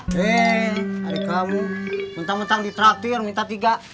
hei adik kamu mentang mentang di traktir minta tiga